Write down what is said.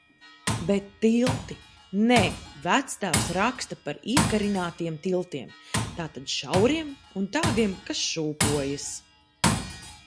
Bet tilti. Nē, vectēvs raksta par iekarinātiem tiltiem. Tātad šauriem un tādiem, kas šūpojas.